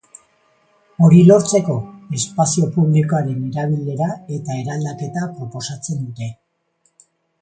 Hori lortzeko, espazio publikoaren erabilera eta eraldaketa proposatzen dute.